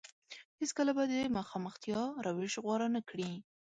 هېڅ کله به د مخامختيا روش غوره نه کړي.